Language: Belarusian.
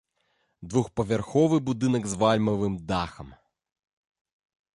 Двухпавярховы будынак з вальмавым дахам.